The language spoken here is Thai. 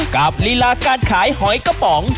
ลีลาการขายหอยกระป๋อง